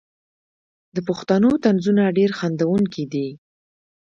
د پښتنو طنزونه ډیر خندونکي دي.